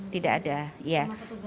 tidak ada ya